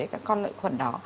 các con lợi khuẩn đó